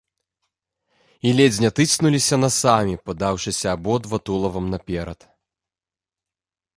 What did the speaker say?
І ледзь не тыцнуліся насамі, падаўшыся абодва тулавам наперад.